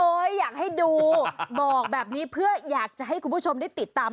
อยากให้ดูบอกแบบนี้เพื่ออยากจะให้คุณผู้ชมได้ติดตาม